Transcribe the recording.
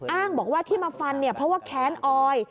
อ้างบอกว่าที่มาฟันเนี่ยเพราะว่าแค้นออย